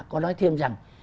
có nói thêm rằng